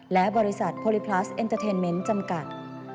และบริษัทโพลิพลัสเอ็นเตอร์เทนเมนต์จำกัด